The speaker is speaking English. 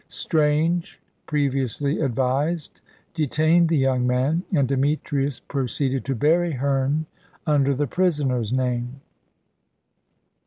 Strange, previously advised, detained the young man, and Demetrius proceeded to bury Herne under the prisoner's name.